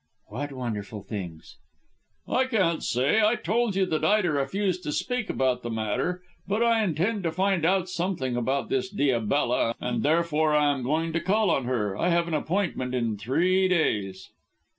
"What wonderful things?" "I can't say. I told you that Ida refused to speak about the matter. But I intend to find out something about this Diabella, and therefore I am going to call on her. I have an appointment in three days."